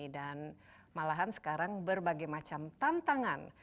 dan malahan sekarang berbagai macam tantangan